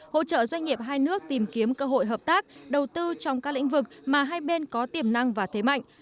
hỗ trợ doanh nghiệp hai nước tìm kiếm cơ hội hợp tác đầu tư trong các lĩnh vực mà hai bên có tiềm năng và thế mạnh